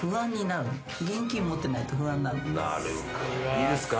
いいですか？